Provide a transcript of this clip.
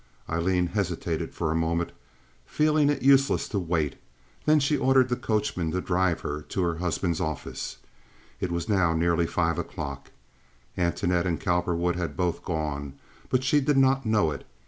Aileen hesitated for a moment, feeling it useless to wait, then she ordered the coachman to drive to her husband's office. It was now nearly five o'clock. Antoinette and Cowperwood had both gone, but she did not know it.